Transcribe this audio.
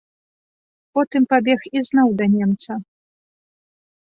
Потым пабег ізноў да немца.